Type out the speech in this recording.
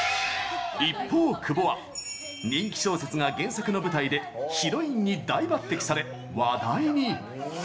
一方、久保は人気小説が原作の舞台でヒロインに大抜擢され、話題に。